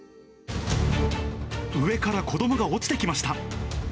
上から子どもが落ちてきました。